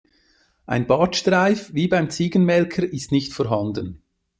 Ein Bartstreif wie beim Ziegenmelker ist nicht vorhanden.